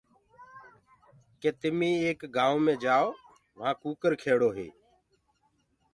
ڪي تمي ڪي ايڪ گآئوُنٚ مي جآئو وهآنٚ ڪٚڪر کيڙو هي۔